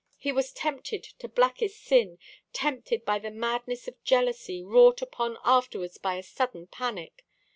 He was tempted to blackest sin tempted by the madness of jealousy, wrought upon afterwards by a sudden panic.